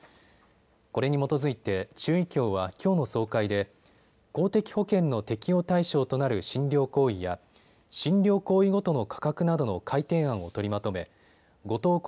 これに基づいて中医協はきょうの総会で公的保険の適用対象となる診療行為や診療行為ごとの価格などの改定案を取りまとめ後藤